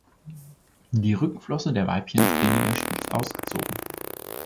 Die Rückenflosse der Weibchen ist weniger spitz ausgezogen.